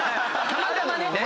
たまたまね。